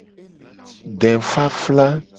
Defafla.